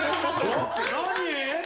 何？